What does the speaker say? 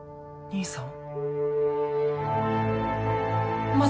兄さん！